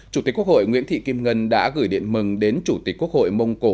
chủ tịch quốc hội nguyễn thị kim ngân đã gửi điện mừng đến chủ tịch quốc hội mông cổ